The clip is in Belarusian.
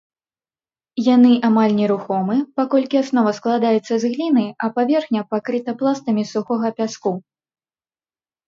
Яны амаль нерухомы, паколькі аснова складаецца з гліны, а паверхня пакрыта пластамі сухога пяску.